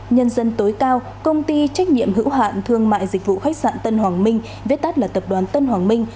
nhân dân tối cao công ty trách nhiệm hữu hạn thương mại dịch vụ khách sạn tân hoàng minh vết tắt là tập đoàn tân hoàng minh